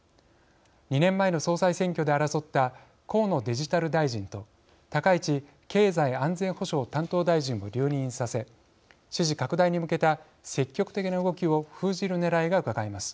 ２年前の総裁選挙で争った河野デジタル大臣と高市経済安全保障担当大臣を留任させ支持拡大に向けた積極的な動きを封じるねらいがうかがえます。